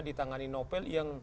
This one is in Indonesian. ditangani nopel yang